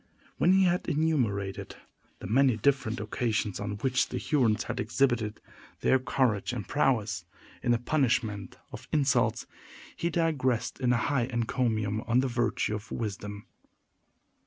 When he had enumerated the many different occasions on which the Hurons had exhibited their courage and prowess, in the punishment of insults, he digressed in a high encomium on the virtue of wisdom.